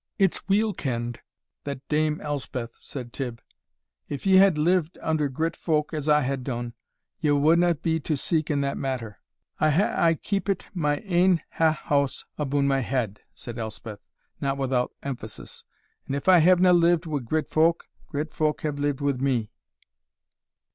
"It's weel kend that, Dame Elspeth," said Tibb; "if ye had lived under grit folk, as I hae dune, ye wadna be to seek in that matter." "I hae aye keepit my ain ha' house abune my head," said Elspeth, not without emphasis, "and if I havena lived wi' grit folk, grit folk have lived wi' me."